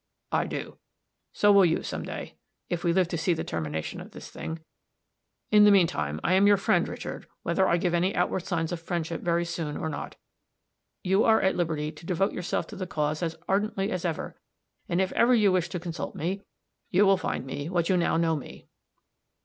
"I do. So will you some day, if we live to see the termination of this thing. In the mean time, I am your friend, Richard, whether I give any outward signs of friendship very soon or not. You are at liberty to devote yourself to the cause as ardently as ever and if ever you wish to consult me, you will find me what you now know me."